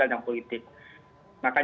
yang kita lakukan